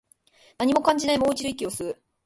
何も感じない、もう一度、息を吸う